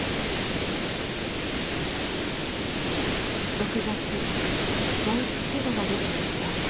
６月外出許可が出た吉田さん。